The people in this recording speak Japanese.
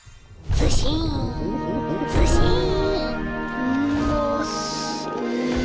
ズシンズシン！